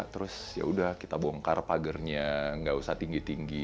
terus yaudah kita bongkar pagarnya nggak usah tinggi tinggi